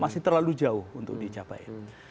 masih terlalu jauh untuk dicapai